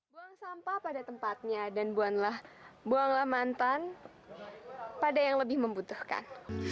buang sampah pada tempatnya dan buanglah mantan pada yang lebih membutuhkan